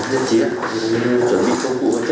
chào chị ạ chuẩn bị công cụ ủng hộ cho ạ